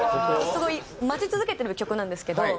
すごい待ち続けてる曲なんですけど。